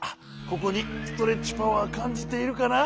ここにストレッチパワーかんじているかな？